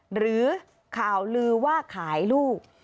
หรือข่าวลือว่าขายลูก